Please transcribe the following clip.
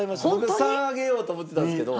３上げようと思ってたんですけど。